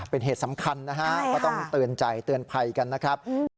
เป็นเหตุสำคัญนะฮะก็ต้องเตือนใจเตือนภัยกันนะครับ